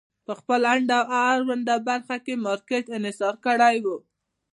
په خپل اړونده برخه کې مارکېټ انحصار کړی و.